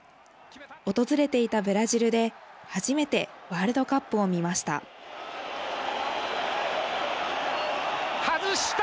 訪れていたブラジルで初めてワールドカップを見ました。